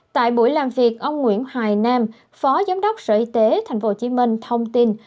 tại buổi làm việc ông nguyễn hoài nam phó giám đốc sở y tế tp hcm thông tin